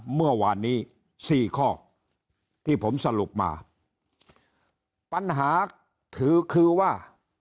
เมื่อวานนี้สี่ข้อที่ผมสรุปมาปัญหาถือคือว่า